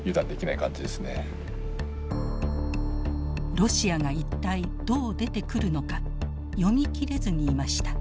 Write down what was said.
ロシアが一体どう出てくるのか読み切れずにいました。